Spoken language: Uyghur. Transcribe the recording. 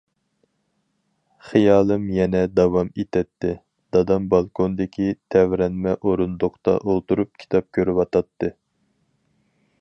خىيالىم يەنە داۋام ئېتەتتى: دادام بالكوندىكى تەۋرەنمە ئورۇندۇقتا ئولتۇرۇپ كىتاب كۆرۈۋاتاتتى.